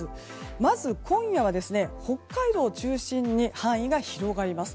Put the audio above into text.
まず今夜は北海道中心に範囲が広がります。